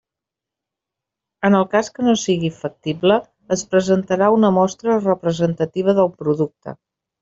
En el cas que no sigui factible es presentarà una mostra representativa del producte.